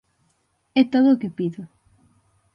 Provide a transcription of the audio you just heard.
É todo o que pido.